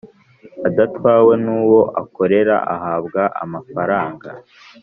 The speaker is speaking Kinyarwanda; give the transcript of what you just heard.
adatwawe n’uwo akorera ahabwa amafaranga